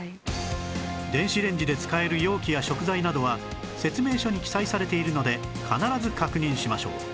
電子レンジで使える容器や食材などは説明書に記載されているので必ず確認しましょう